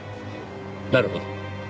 なるほど。